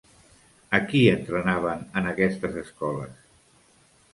A qui entrenaven en aquestes escoles?